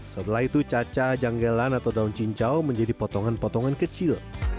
setelah itu caca janggalan atau daun cincau menjadi potongan potongan kecil